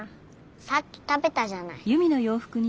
さっき食べたじゃない。